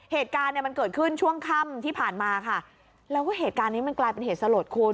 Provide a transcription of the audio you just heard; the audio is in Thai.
เหตุการณ์เนี่ยมันเกิดขึ้นช่วงค่ำที่ผ่านมาค่ะแล้วก็เหตุการณ์นี้มันกลายเป็นเหตุสลดคุณ